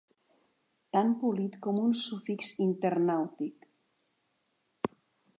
Tan polit com un sufix internàutic.